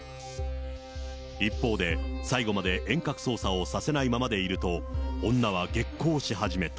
一方で、最後まで遠隔操作をさせないままでいると、女は激高し始めた。